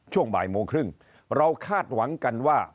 ช่วงบ่ายโมงครึ่งเราคาดหวังกันว่า